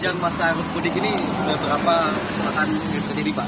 sejak masa rsud ini sudah berapa